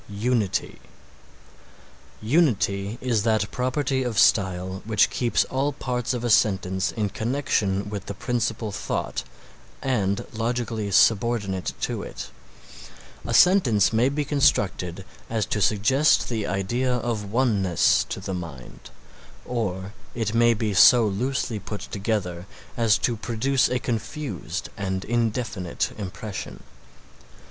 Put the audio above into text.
UNITY Unity is that property of style which keeps all parts of a sentence in connection with the principal thought and logically subordinate to it. A sentence may be constructed as to suggest the idea of oneness to the mind, or it may be so loosely put together as to produce a confused and indefinite impression.